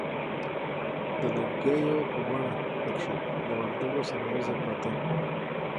د لږکیو په بڼه پکښې د وردگو سره یوځای پرته